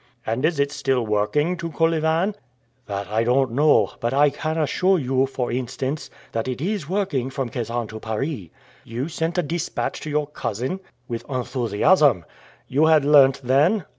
"And is it still working to Kolyvan?" "That I don't know, but I can assure you, for instance, that it is working from Kasan to Paris." "You sent a dispatch to your cousin?" "With enthusiasm." "You had learnt then